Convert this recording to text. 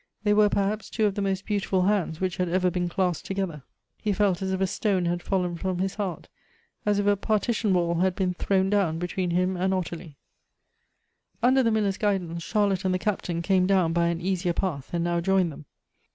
They were, perhaps, two of the most beautiful hands which had ever been clasped together. He felt as if a stone had fallen from his heart, as if a partition wall had been thrown down between him and Ottilie. Under the Miller's guidance, Charlotte and the Captain came down by an easier path, and now joined them.